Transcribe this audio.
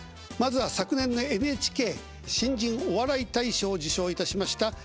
まずは昨年の「ＮＨＫ新人お笑い大賞」を受賞いたしました